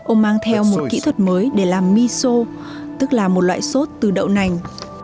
ông mang theo một kỹ thuật mới để làm miso tức là một loại sốt từ đậu nành